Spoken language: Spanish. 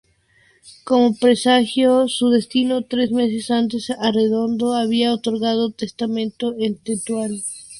Como presagiando su destino, tres meses antes Arredondo había otorgado testamento en Tetuán.